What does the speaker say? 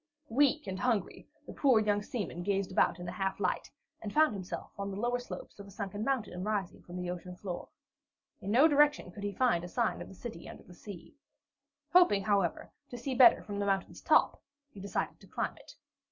Weak and hungry, the poor young seaman gazed about in the half gloom, and found himself on the lower slopes of a sunken mountain rising from the ocean floor. In no direction could he find a sign of the City under the Sea. Hoping, however, to see better from the mountain's top, he decided to climb it.